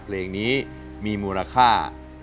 เพลงนี้มีมูลค่า